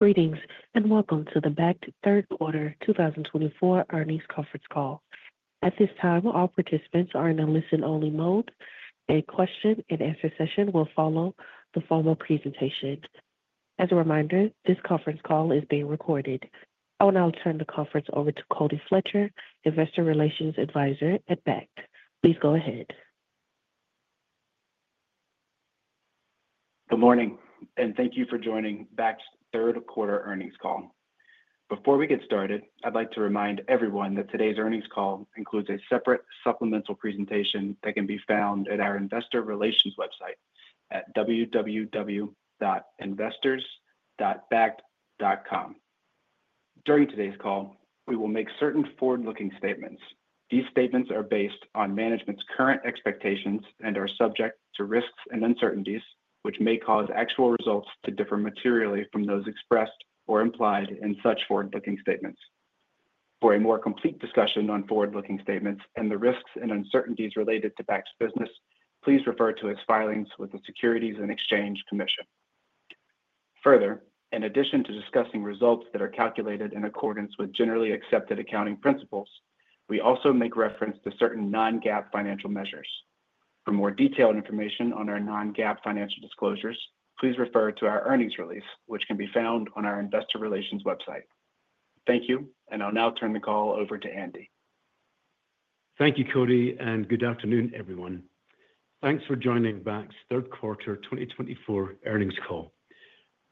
Greetings and welcome to the Bakkt Third Quarter, 2024 earnings conference call. At this time, all participants are in a listen-only mode, and question and answer sessions will follow the formal presentation. As a reminder, this conference call is being recorded. I will now turn the conference over to Cody Fletcher, Investor Relations Advisor at Bakkt. Please go ahead. Good morning, and thank you for joining Bakkt's third quarter earnings call. Before we get started, I'd like to remind everyone that today's earnings call includes a separate supplemental presentation that can be found at our Investor Relations website at www.investors.bakkt.com. During today's call, we will make certain forward-looking statements. These statements are based on management's current expectations and are subject to risks and uncertainties, which may cause actual results to differ materially from those expressed or implied in such forward-looking statements. For a more complete discussion on forward-looking statements and the risks and uncertainties related to Bakkt's business, please refer to its filings with the Securities and Exchange Commission. Further, in addition to discussing results that are calculated in accordance with generally accepted accounting principles, we also make reference to certain non-GAAP financial measures. For more detailed information on our non-GAAP financial disclosures, please refer to our earnings release, which can be found on our Investor Relations website. Thank you, and I'll now turn the call over to Andy. Thank you, Cody, and good afternoon, everyone. Thanks for joining Bakkt's Third Quarter 2024 earnings call,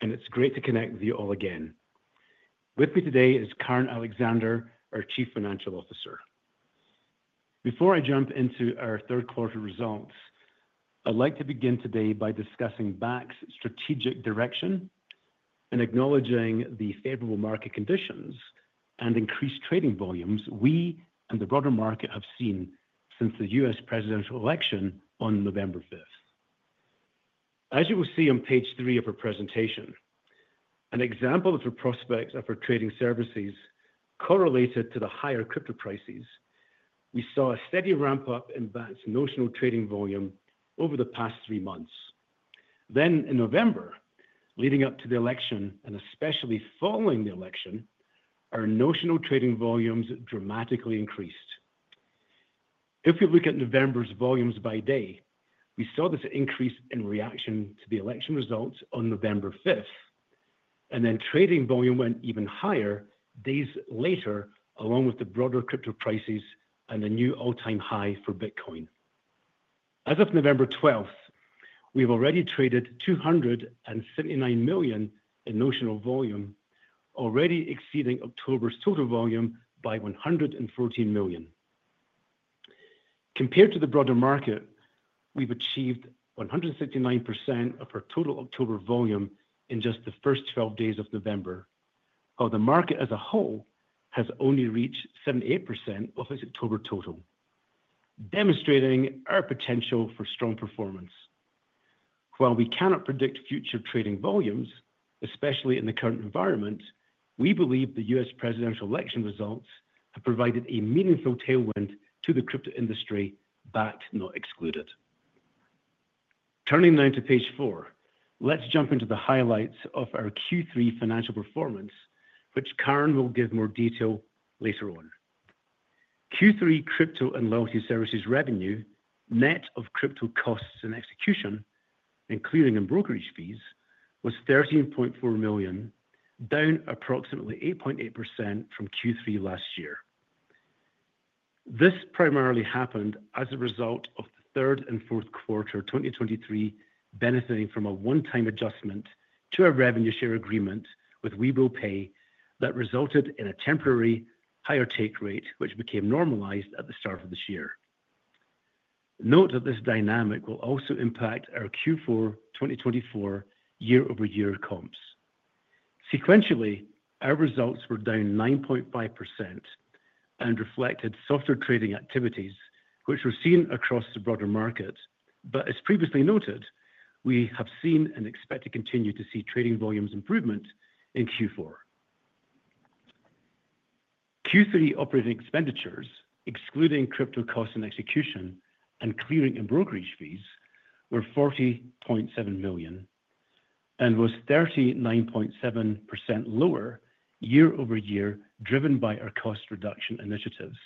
and it's great to connect with you all again. With me today is Karen Alexander, our Chief Financial Officer. Before I jump into our third quarter results, I'd like to begin today by discussing Bakkt's strategic direction and acknowledging the favorable market conditions and increased trading volumes we and the broader market have seen since the U.S. presidential election on November 5th. As you will see on page 3 of our presentation, an example of the prospects of our trading services correlated to the higher crypto prices, we saw a steady ramp-up in Bakkt's notional trading volume over the past three months. Then, in November, leading up to the election and especially following the election, our notional trading volumes dramatically increased. If we look at November's volumes by day, we saw this increase in reaction to the election results on November 5th, and then trading volume went even higher days later, along with the broader crypto prices and a new all-time high for Bitcoin. As of November 12th, we have already traded $279 million in notional volume, already exceeding October's total volume by $114 million. Compared to the broader market, we've achieved 169% of our total October volume in just the first 12 days of November, while the market as a whole has only reached 78% of its October total, demonstrating our potential for strong performance. While we cannot predict future trading volumes, especially in the current environment, we believe the U.S. presidential election results have provided a meaningful tailwind to the crypto industry, Bakkt not excluded. Turning now to page 4, let's jump into the highlights of our Q3 financial performance, which Karen will give more detail later on. Q3 crypto and loyalty services revenue, net of crypto costs and execution, including in brokerage fees, was $13.4 million, down approximately 8.8% from Q3 last year. This primarily happened as a result of third and fourth quarter 2023 benefiting from a one-time adjustment to our revenue share agreement with Webull Pay that resulted in a temporary higher take rate, which became normalized at the start of this year. Note that this dynamic will also impact our Q4 2024 year-over-year comps. Sequentially, our results were down 9.5% and reflected softer trading activities, which were seen across the broader market, but as previously noted, we have seen and expect to continue to see trading volumes improvement in Q4. Q3 operating expenditures, excluding crypto costs and execution and clearing and brokerage fees, were $40.7 million and was 39.7% lower year-over-year, driven by our cost reduction initiatives.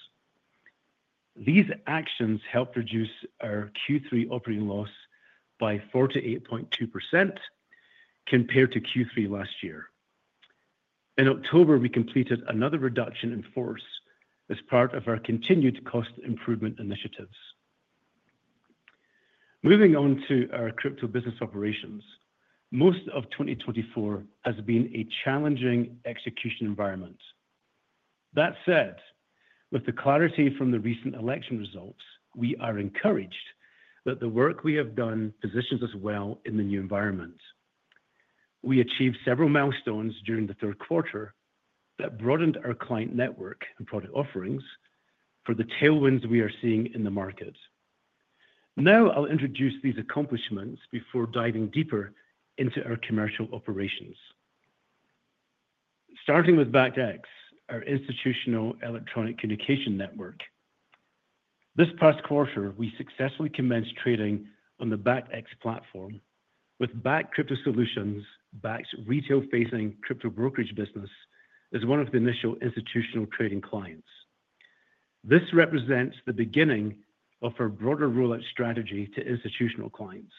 These actions helped reduce our Q3 operating loss by 48.2% compared to Q3 last year. In October, we completed another reduction in force as part of our continued cost improvement initiatives. Moving on to our crypto business operations, most of 2024 has been a challenging execution environment. That said, with the clarity from the recent election results, we are encouraged that the work we have done positions us well in the new environment. We achieved several milestones during the third quarter that broadened our client network and product offerings for the tailwinds we are seeing in the market. Now, I'll introduce these accomplishments before diving deeper into our commercial operations. Starting with BakktX, our institutional electronic communication network. This past quarter, we successfully commenced trading on the BakktX platform, with Bakkt Crypto Solutions, Bakkt's Retail-Facing Crypto Brokerage business, as one of the initial institutional trading clients. This represents the beginning of our broader rollout strategy to institutional clients.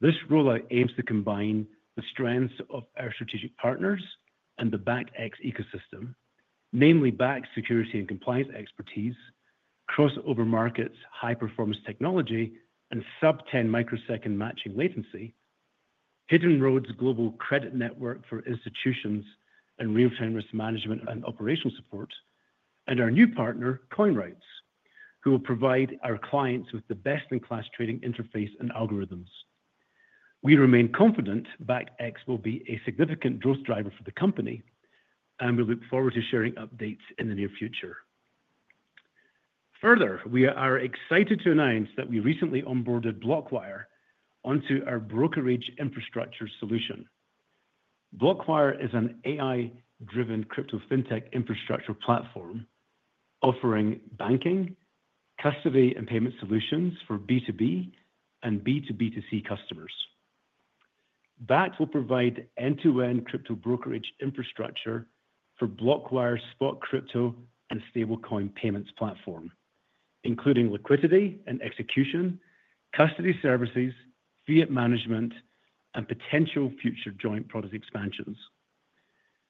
This rollout aims to combine the strengths of our strategic partners and the BakktX ecosystem, namely Bakkt's security and compliance expertise, Crossover Markets' high-performance technology, and sub-10 microsecond matching latency, Hidden Road's global credit network for institutions and real-time risk management and operational support, and our new partner, CoinRoutes, who will provide our clients with the best-in-class trading interface and algorithms. We remain confident BakktX will be a significant growth driver for the company, and we look forward to sharing updates in the near future. Further, we are excited to announce that we recently onboarded BlockWyre onto our brokerage infrastructure solution. BlockWyre is an AI-driven crypto fintech infrastructure platform offering banking, custody, and payment solutions for B2B and B2B2C customers. Bakkt will provide end-to-end crypto brokerage infrastructure for BlockWyre's spot crypto and stablecoin payments platform, including liquidity and execution, custody services, fiat management, and potential future joint product expansions.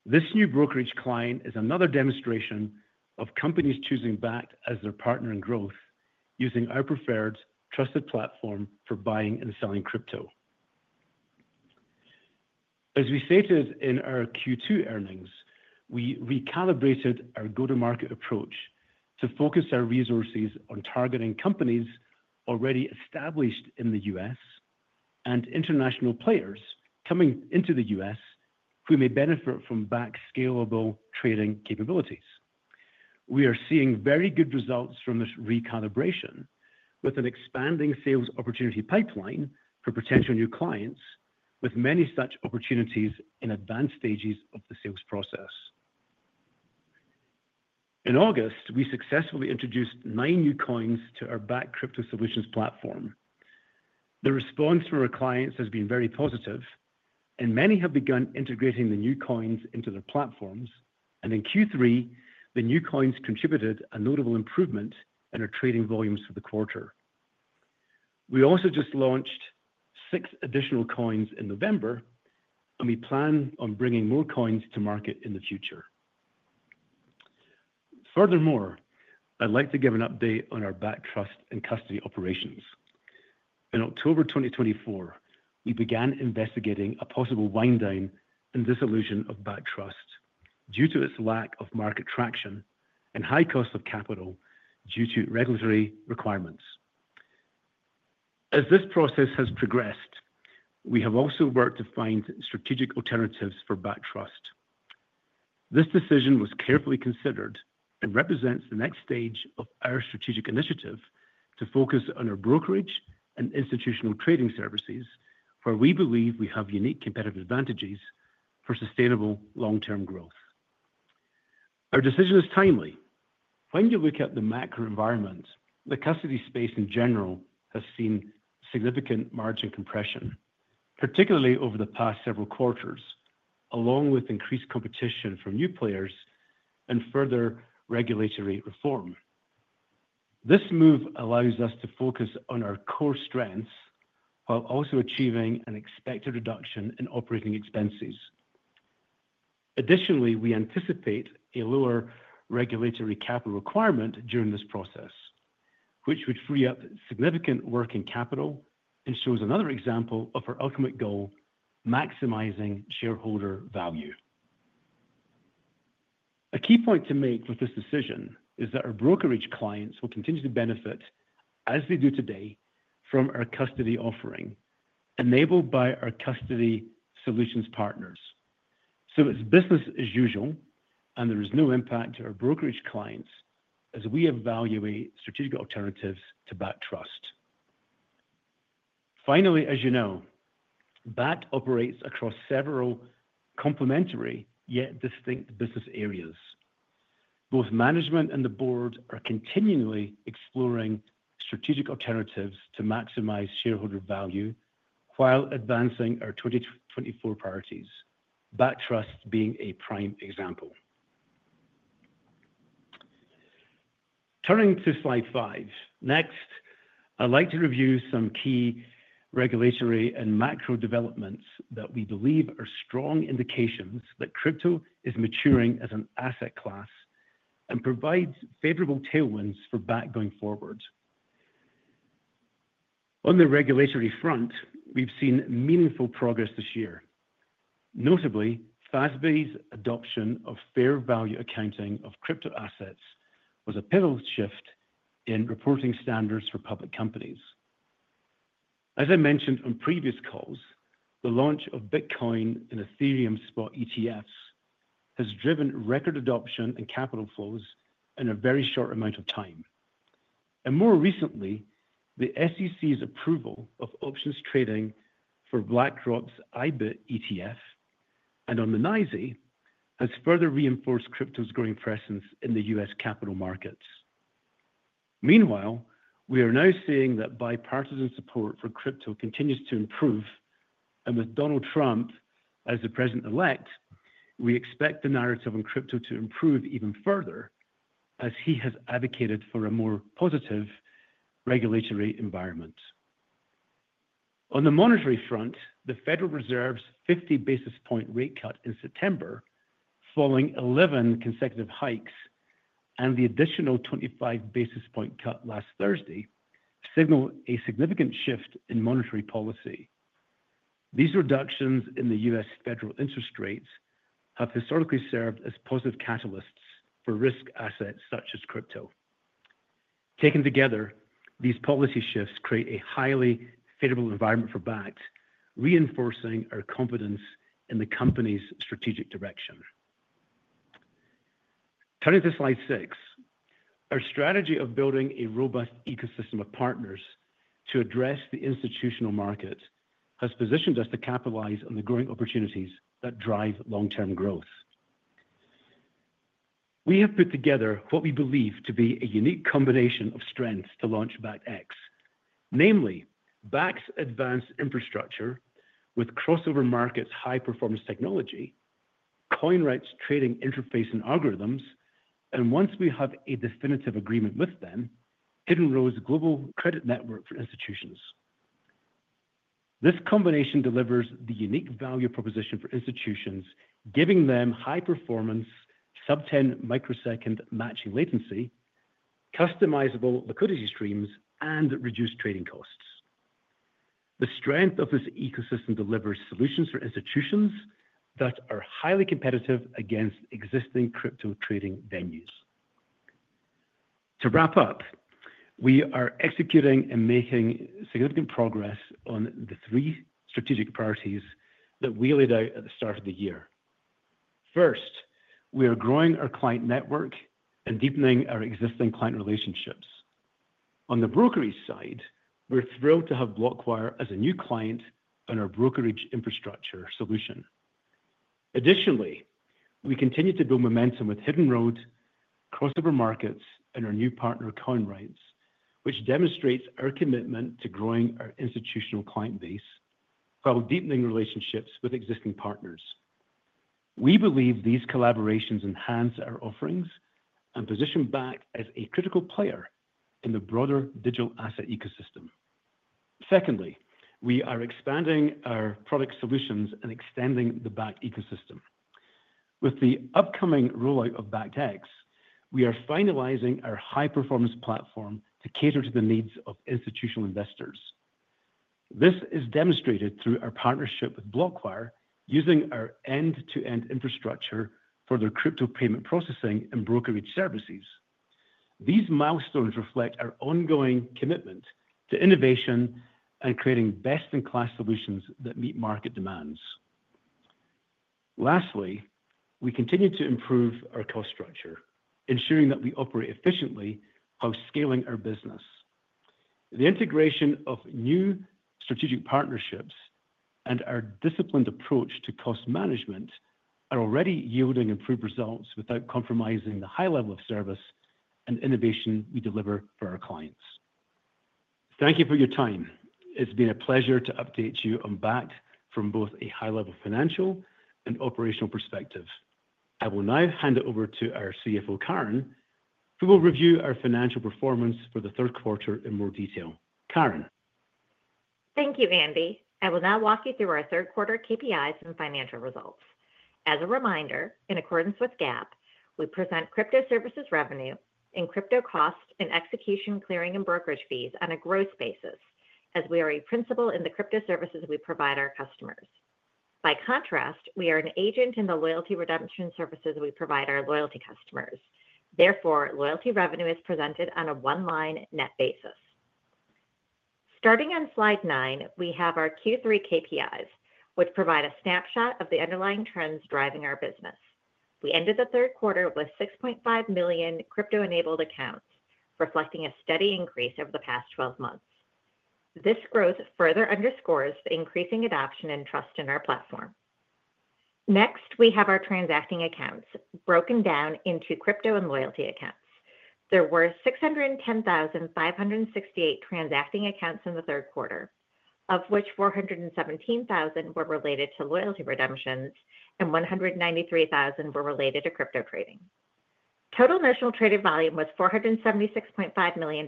This new brokerage client is another demonstration of companies choosing Bakkt as their partner in growth, using our preferred trusted platform for buying and selling crypto. As we stated in our Q2 earnings, we recalibrated our go-to-market approach to focus our resources on targeting companies already established in the U.S. and international players coming into the U.S. who may benefit from Bakkt's scalable trading capabilities. We are seeing very good results from this recalibration, with an expanding sales opportunity pipeline for potential new clients, with many such opportunities in advanced stages of the sales process. In August, we successfully introduced nine new coins to our Bakkt Crypto Solutions platform. The response from our clients has been very positive, and many have begun integrating the new coins into their platforms, and in Q3, the new coins contributed a notable improvement in our trading volumes for the quarter. We also just launched six additional coins in November, and we plan on bringing more coins to market in the future. Furthermore, I'd like to give an update on our Bakkt Trust and custody operations. In October 2024, we began investigating a possible wind-down and dissolution of Bakkt Trust due to its lack of market traction and high cost of capital due to regulatory requirements. As this process has progressed, we have also worked to find strategic alternatives for Bakkt Trust. This decision was carefully considered and represents the next stage of our strategic initiative to focus on our brokerage and institutional trading services, where we believe we have unique competitive advantages for sustainable long-term growth. Our decision is timely. When you look at the macro environment, the custody space in general has seen significant margin compression, particularly over the past several quarters, along with increased competition from new players and further regulatory reform. This move allows us to focus on our core strengths while also achieving an expected reduction in operating expenses. Additionally, we anticipate a lower regulatory capital requirement during this process, which would free up significant working capital and shows another example of our ultimate goal: maximizing shareholder value. A key point to make with this decision is that our brokerage clients will continue to benefit, as they do today, from our custody offering enabled by our custody solutions partners, so it's business as usual, and there is no impact to our brokerage clients as we evaluate strategic alternatives to Bakkt Trust. Finally, as you know, Bakkt operates across several complementary yet distinct business areas. Both management and the board are continually exploring strategic alternatives to maximize shareholder value while advancing our 2024 priorities, Bakkt Trust being a prime example. Turning to slide five, next, I'd like to review some key regulatory and macro developments that we believe are strong indications that crypto is maturing as an asset class and provides favorable tailwinds for Bakkt going forward. On the regulatory front, we've seen meaningful progress this year. Notably, FASB's adoption of fair value accounting of crypto assets was a pivotal shift in reporting standards for public companies. As I mentioned on previous calls, the launch of Bitcoin and Ethereum spot ETFs has driven record adoption and capital flows in a very short amount of time, and more recently, the SEC's approval of options trading for BlackRock's IBIT ETF and on the NYSE has further reinforced crypto's growing presence in the U.S. capital markets. Meanwhile, we are now seeing that bipartisan support for crypto continues to improve, and with Donald Trump as the president-elect, we expect the narrative on crypto to improve even further as he has advocated for a more positive regulatory environment. On the monetary front, the Federal Reserve's 50 basis point rate cut in September, following 11 consecutive hikes and the additional 25 basis point cut last Thursday, signal a significant shift in monetary policy. These reductions in the U.S. federal interest rates have historically served as positive catalysts for risk assets such as crypto. Taken together, these policy shifts create a highly favorable environment for Bakkt, reinforcing our confidence in the company's strategic direction. Turning to slide six, our strategy of building a robust ecosystem of partners to address the institutional market has positioned us to capitalize on the growing opportunities that drive long-term growth. We have put together what we believe to be a unique combination of strengths to launch BakktX, namely Bakkt's advanced infrastructure with Crossover Markets' high-performance technology, CoinRoutes' trading interface and algorithms, and once we have a definitive agreement with them, Hidden Road's global credit network for institutions. This combination delivers the unique value proposition for institutions, giving them high-performance sub-10 microsecond matching latency, customizable liquidity streams, and reduced trading costs. The strength of this ecosystem delivers solutions for institutions that are highly competitive against existing crypto trading venues. To wrap up, we are executing and making significant progress on the three strategic priorities that we laid out at the start of the year. First, we are growing our client network and deepening our existing client relationships. On the brokerage side, we're thrilled to have BlockWyre as a new client and our brokerage infrastructure solution. Additionally, we continue to build momentum with Hidden Road, Crossover Markets, and our new partner, CoinRoutes, which demonstrates our commitment to growing our institutional client base while deepening relationships with existing partners. We believe these collaborations enhance our offerings and position Bakkt as a critical player in the broader digital asset ecosystem. Secondly, we are expanding our product solutions and extending the Bakkt ecosystem. With the upcoming rollout of BakktX, we are finalizing our high-performance platform to cater to the needs of institutional investors. This is demonstrated through our partnership with BlockWyre using our end-to-end infrastructure for their crypto payment processing and brokerage services. These milestones reflect our ongoing commitment to innovation and creating best-in-class solutions that meet market demands. Lastly, we continue to improve our cost structure, ensuring that we operate efficiently while scaling our business. The integration of new strategic partnerships and our disciplined approach to cost management are already yielding improved results without compromising the high level of service and innovation we deliver for our clients. Thank you for your time. It's been a pleasure to update you on Bakkt from both a high-level financial and operational perspective. I will now hand it over to our CFO, Karen, who will review our financial performance for the third quarter in more detail. Karen. Thank you, Andy. I will now walk you through our third quarter KPIs and financial results. As a reminder, in accordance with GAAP, we present crypto services revenue and crypto costs and execution clearing and brokerage fees on a gross basis, as we are a principal in the crypto services we provide our customers. By contrast, we are an agent in the loyalty redemption services we provide our loyalty customers. Therefore, loyalty revenue is presented on a one-line net basis. Starting on slide nine, we have our Q3 KPIs, which provide a snapshot of the underlying trends driving our business. We ended the third quarter with 6.5 million crypto-enabled accounts, reflecting a steady increase over the past 12 months. This growth further underscores the increasing adoption and trust in our platform. Next, we have our transacting accounts, broken down into crypto and loyalty accounts. There were 610,568 transacting accounts in the third quarter, of which 417,000 were related to loyalty redemptions and 193,000 were related to crypto trading. Total notional traded volume was $476.5 million,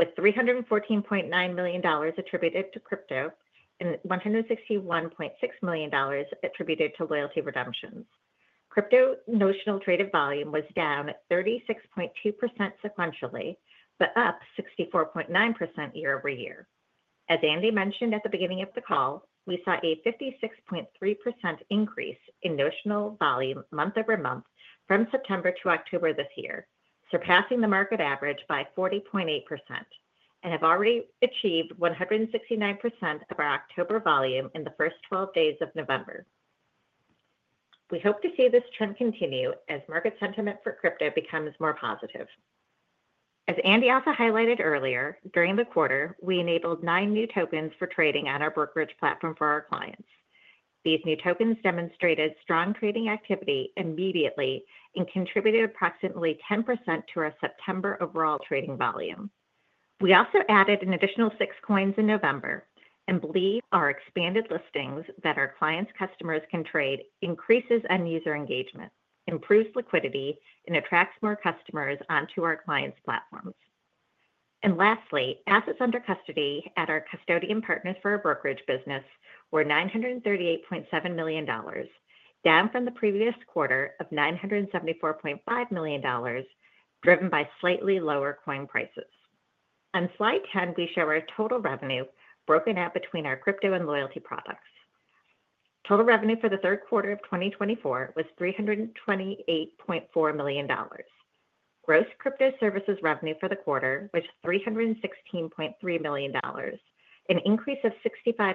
with $314.9 million attributed to crypto and $161.6 million attributed to loyalty redemptions. Crypto notional traded volume was down 36.2% sequentially, but up 64.9% year over year. As Andy mentioned at the beginning of the call, we saw a 56.3% increase in notional volume month over month from September to October this year, surpassing the market average by 40.8%, and have already achieved 169% of our October volume in the first 12 days of November. We hope to see this trend continue as market sentiment for crypto becomes more positive. As Andy also highlighted earlier, during the quarter, we enabled nine new tokens for trading on our brokerage platform for our clients. These new tokens demonstrated strong trading activity immediately and contributed approximately 10% to our September overall trading volume. We also added an additional six coins in November and believe our expanded listings that our clients' customers can trade increases end-user engagement, improves liquidity, and attracts more customers onto our clients' platforms. And lastly, assets under custody at our custodian partners for our brokerage business were $938.7 million, down from the previous quarter of $974.5 million, driven by slightly lower coin prices. On slide 10, we show our total revenue broken out between our crypto and loyalty products. Total revenue for the third quarter of 2024 was $328.4 million. Gross crypto services revenue for the quarter was $316.3 million, an increase of 65%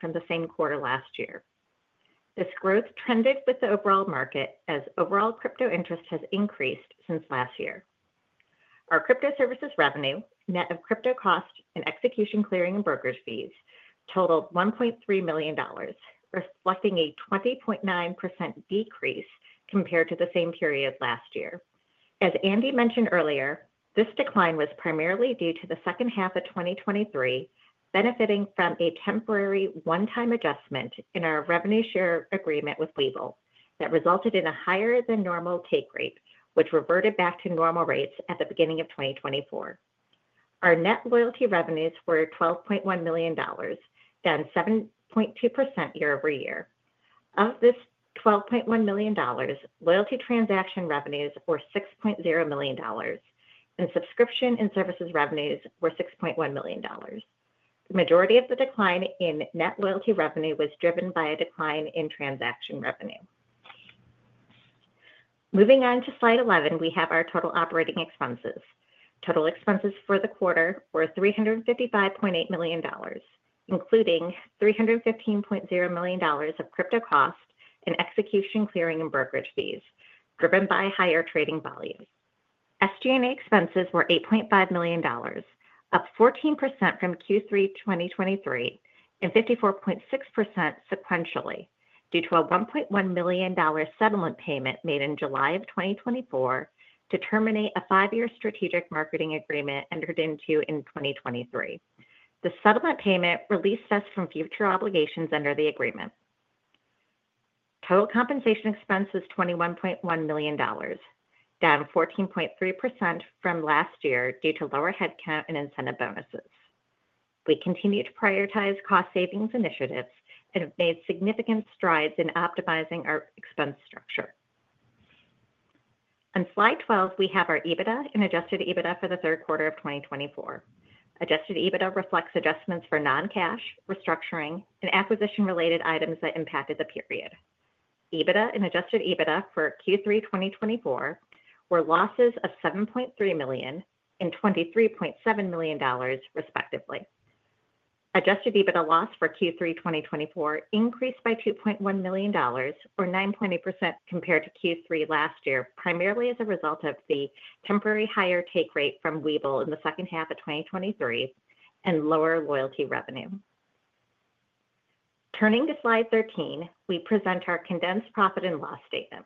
from the same quarter last year. This growth trended with the overall market as overall crypto interest has increased since last year. Our crypto services revenue, net of crypto costs and execution clearing and brokerage fees, totaled $1.3 million, reflecting a 20.9% decrease compared to the same period last year. As Andy mentioned earlier, this decline was primarily due to the second half of 2023 benefiting from a temporary one-time adjustment in our revenue share agreement with Webull that resulted in a higher-than-normal take rate, which reverted back to normal rates at the beginning of 2024. Our net loyalty revenues were $12.1 million, down 7.2% year over year. Of this $12.1 million, loyalty transaction revenues were $6.0 million, and subscription and services revenues were $6.1 million. The majority of the decline in net loyalty revenue was driven by a decline in transaction revenue. Moving on to slide 11, we have our total operating expenses. Total expenses for the quarter were $355.8 million, including $315.0 million of crypto costs and execution clearing and brokerage fees, driven by higher trading volume. SG&A expenses were $8.5 million, up 14% from Q3 2023 and 54.6% sequentially, due to a $1.1 million settlement payment made in July of 2024 to terminate a five-year strategic marketing agreement entered into in 2023. The settlement payment released us from future obligations under the agreement. Total compensation expenses were $21.1 million, down 14.3% from last year due to lower headcount and incentive bonuses. We continue to prioritize cost savings initiatives and have made significant strides in optimizing our expense structure. On slide 12, we have our EBITDA and adjusted EBITDA for the third quarter of 2024. Adjusted EBITDA reflects adjustments for non-cash, restructuring, and acquisition-related items that impacted the period. EBITDA and adjusted EBITDA for Q3 2024 were losses of $7.3 million and $23.7 million, respectively. Adjusted EBITDA loss for Q3 2024 increased by $2.1 million, or 9.8% compared to Q3 last year, primarily as a result of the temporary higher take rate from Webull in the second half of 2023 and lower loyalty revenue. Turning to slide 13, we present our condensed profit and loss statement.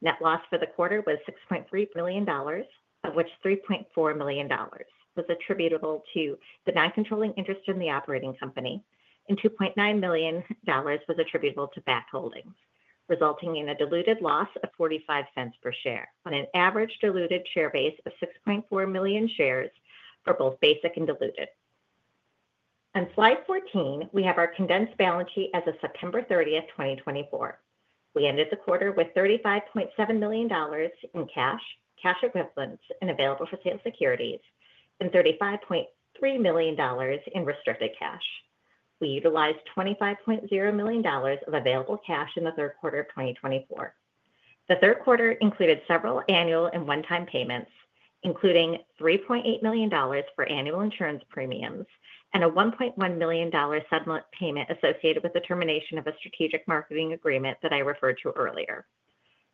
Net loss for the quarter was $6.3 million, of which $3.4 million was attributable to the non-controlling interest in the operating company, and $2.9 million was attributable to Bakkt Holdings, resulting in a diluted loss of $0.45 per share on an average diluted share base of 6.4 million shares for both basic and diluted. On slide 14, we have our condensed balance sheet as of September 30th, 2024. We ended the quarter with $35.7 million in cash, cash equivalents, and available for sale securities, and $35.3 million in restricted cash. We utilized $25.0 million of available cash in the third quarter of 2024. The third quarter included several annual and one-time payments, including $3.8 million for annual insurance premiums and a $1.1 million settlement payment associated with the termination of a strategic marketing agreement that I referred to earlier.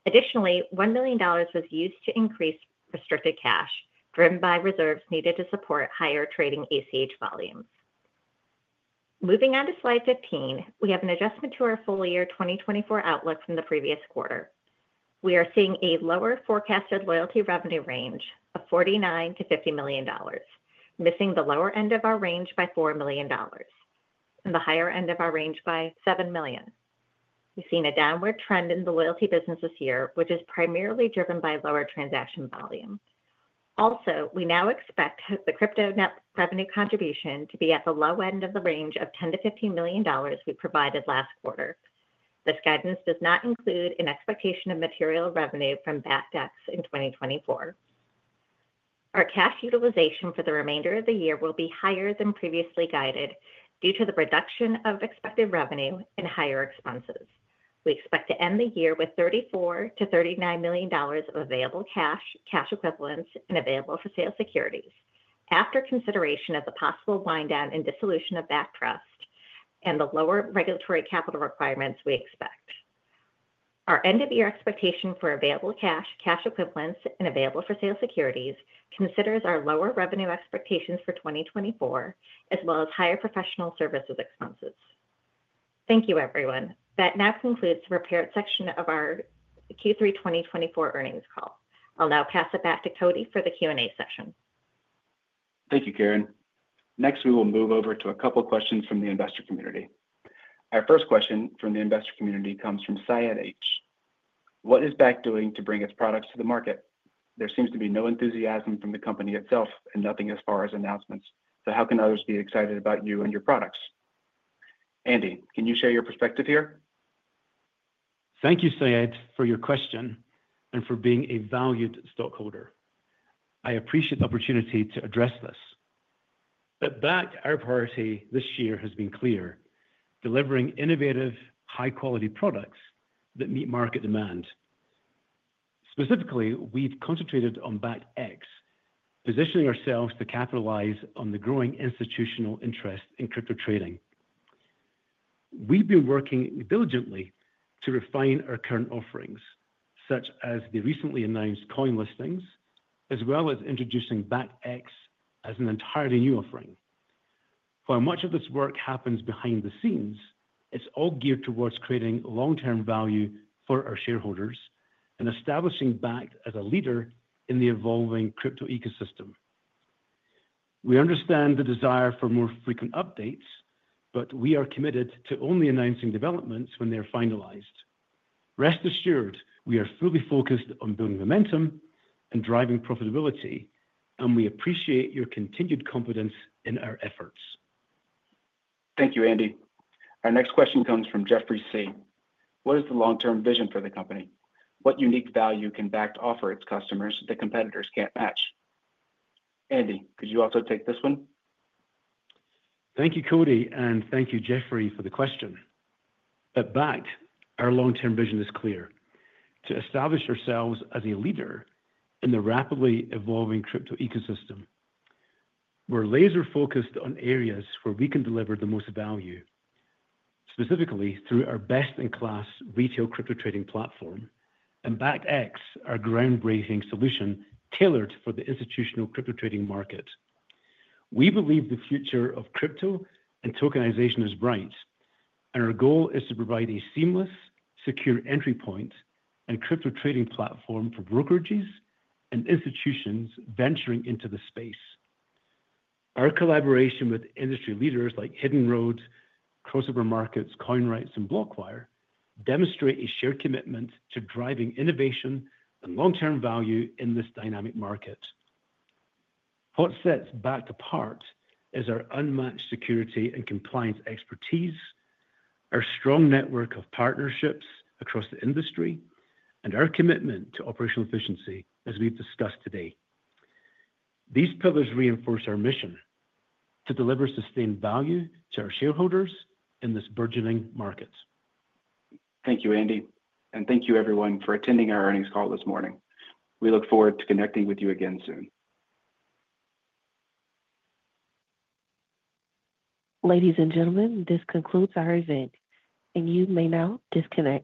Additionally, $1 million was used to increase restricted cash, driven by reserves needed to support higher trading ACH volumes. Moving on to slide 15, we have an adjustment to our full year 2024 outlook from the previous quarter. We are seeing a lower forecasted loyalty revenue range of $49 million-$50 million, missing the lower end of our range by $4 million and the higher end of our range by $7 million. We've seen a downward trend in the loyalty business this year, which is primarily driven by lower transaction volume. Also, we now expect the crypto net revenue contribution to be at the low end of the range of $10 million-$15 million we provided last quarter. This guidance does not include an expectation of material revenue from BakktX in 2024. Our cash utilization for the remainder of the year will be higher than previously guided due to the reduction of expected revenue and higher expenses. We expect to end the year with $34 milion-$39 million of available cash, cash equivalents, and available for sale securities, after consideration of the possible wind down and dissolution of Bakkt Trust and the lower regulatory capital requirements we expect. Our end-of-year expectation for available cash, cash equivalents, and available for sale securities considers our lower revenue expectations for 2024, as well as higher professional services expenses. Thank you, everyone. That now concludes the prepared section of our Q3 2024 earnings call. I'll now pass it back to Cody for the Q&A session. Thank you, Karen. Next, we will move over to a couple of questions from the investor community. delivering innovative, high-quality products that meet market demand. Specifically, we've concentrated on BakktX, positioning ourselves to capitalize on the growing institutional interest in crypto trading. We've been working diligently to refine our current offerings, such as the recently announced coin listings, as well as introducing BakktX as an entirely new offering. While much of this work happens behind the scenes, it's all geared towards creating long-term value for our shareholders and establishing Bakkt as a leader in the evolving crypto ecosystem. We understand the desire for more frequent updates, but we are committed to only announcing developments when they're finalized. Rest assured, we are fully focused on building momentum and driving profitability, and we appreciate your continued confidence in our efforts. Thank you, Andy. Our next question comes from Jeffrey C. What is the long-term vision for the company? What unique value can Bakkt offer its customers that competitors can't match? Andy, could you also take this one? Thank you, Cody, and thank you, Jeffrey, for the question. At Bakkt, our long-term vision is clear: to establish ourselves as a leader in the rapidly evolving crypto ecosystem. We're laser-focused on areas where we can deliver the most value, specifically through our best-in-class retail crypto trading platform, and BakktX, our groundbreaking solution tailored for the institutional crypto trading market. We believe the future of crypto and tokenization is bright, and our goal is to provide a seamless, secure entry point and crypto trading platform for brokerages and institutions venturing into the space. Our collaboration with industry leaders like Hidden Road, Crossover Markets, CoinRoutes, and BlockWyre demonstrates a shared commitment to driving innovation and long-term value in this dynamic market. What sets Bakkt apart is our unmatched security and compliance expertise, our strong network of partnerships across the industry, and our commitment to operational efficiency, as we've discussed today. These pillars reinforce our mission to deliver sustained value to our shareholders in this burgeoning market. Thank you, Andy, and thank you, everyone, for attending our earnings call this morning. We look forward to connecting with you again soon. Ladies and gentlemen, this concludes our event, and you may now disconnect.